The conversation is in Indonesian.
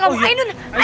ke tempat yang sama